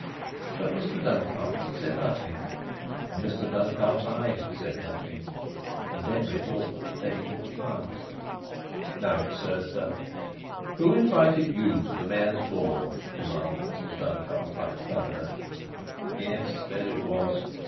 But Mr Duncalf had said nothing, and Mr Duncalf's eye had said nothing, and Denry thought that the danger was past. Now it surged up. "Who invited you to the Mayor's ball?" demanded Mr Duncalf like thunder. Yes, there it was!